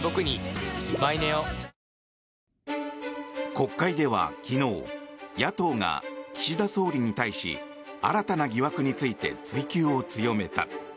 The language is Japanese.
国会では昨日野党が岸田総理に対し新たな疑惑について追及を強めた。